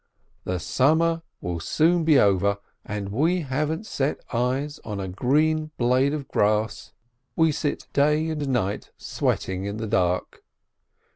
"The summer will soon be over, and we haven't set eyes on a green blade of grass. We sit day and night sweating in the dark."